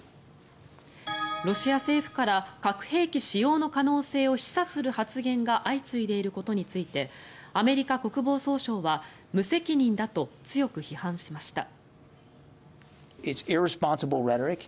ロシア政府から核兵器使用の可能性を示唆する発言が相次いでいることについてアメリカ国防総省は無責任だと強く批判しました。